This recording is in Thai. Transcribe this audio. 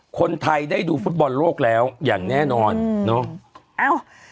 คนไทยได้ดูฟุตบอลโลกแล้วอย่างแน่นอนเนอะ